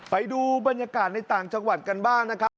ไปดูบรรยากาศในต่างจังหวัดกันบ้างนะครับ